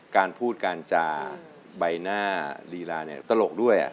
การพูดการจาใบหน้าลีลาเนี่ยตลกด้วย